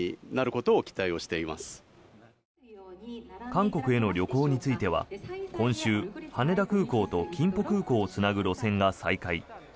韓国への旅行については今週、羽田空港と金浦空港をつなぐ路線が再開。